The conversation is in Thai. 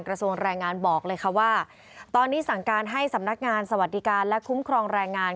กระทรวงแรงงานบอกเลยค่ะว่าตอนนี้สั่งการให้สำนักงานสวัสดิการและคุ้มครองแรงงาน